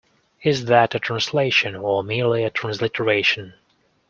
Is that a translation, or merely a transliteration?